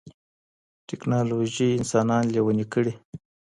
ټيکنالوژي انسانان لېوني کړي.